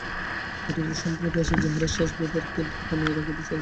কতকগুলি সম্প্রদায় আছে, যাহারা শ্বাস-ব্যাপারকে থামাইয়া রাখিতে চায়।